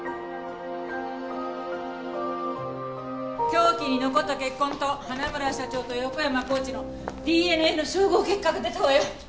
凶器に残った血痕と花村社長と横山コーチのＤＮＡの照合結果が出たわよ。